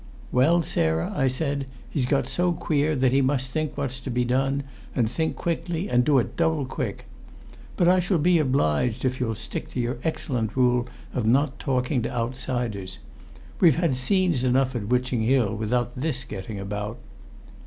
"Well, Sarah," I said, "he's got so queer that we must think what's to be done, and think quickly, and do it double quick! But I shall be obliged if you'll stick to your excellent rule of not talking to outsiders. We've had scenes enough at Witching Hill, without this getting about."